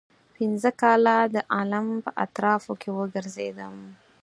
پنځه کاله د عالم په اطرافو کې وګرځېدم.